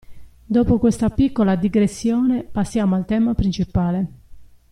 Dopo questa piccola digressione passiamo al tema principale.